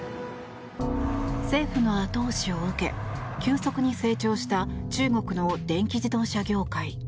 政府の後押しを受け急速に成長した中国の電気自動車業界。